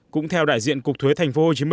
cũng theo đại diện cục thuế tp hcm